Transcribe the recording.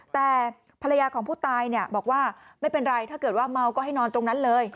แต่ภรรยาของผู้ตายบอกว่าไม่เป็นไรถ้าเกิดว่าเมาก็ให้นอนตรงนั้นเลย